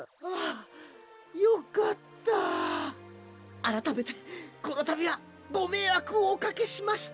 あらためてこのたびはごめいわくをおかけしました。